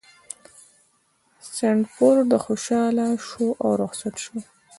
سنډفورډ خوشحاله شو او رخصت شو.